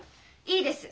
いいです。